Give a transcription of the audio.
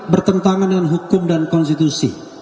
bertentangan dengan hukum dan konstitusi